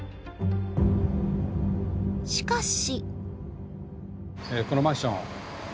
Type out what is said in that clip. しかし。